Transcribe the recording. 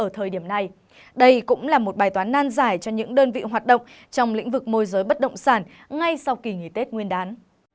ở thời điểm này đây cũng là một bài toán nan giải cho những đơn vị hoạt động trong lĩnh vực môi giới bất động sản ngay sau kỳ nghỉ tết nguyên đán